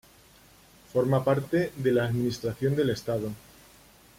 Forma parte de la Administración del Estado.